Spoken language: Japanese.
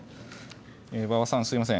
馬場さん、すみません。